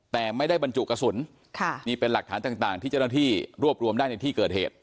แต่ไม่ได้บรรจุกระสุนค่ะนี่เป็นหลักฐานต่างที่เจ้าหน้าที่รวบรวมได้ในที่เกิดเหตุ